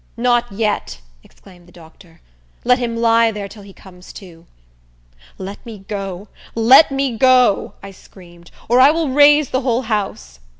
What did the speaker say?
"Not yet!" exclaimed the doctor. "Let him lie there till he comes to." "Let me go! Let me go!" I screamed, "or I will raise the whole house."